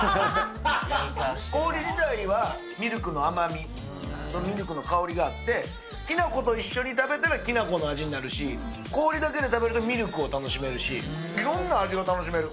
氷自体にはミルクの甘み、ミルクの香りがあって、きな粉と一緒に食べたらきな粉の味になるし、氷だけで食べるとミルクを楽しめるし、いろんな味が楽しめる。